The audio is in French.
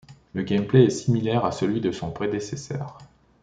Le gameplay est similaire à celui de son prédécesseur.